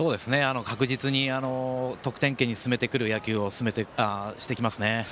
確実に得点圏に進めてくる野球をしてきますね。